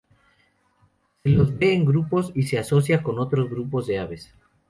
Se los ve en grupos, y se asocia con otros grupos de aves.